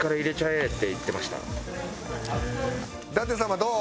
えっ！